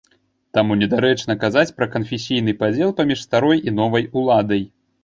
Таму недарэчна казаць пра канфесійны падзел паміж старой і новай уладай.